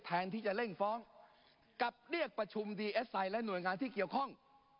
แทนที่จะเร่งฟ้องกับเรียกประชุมดีเอสไอและหน่วยงานที่เกี่ยวข้อง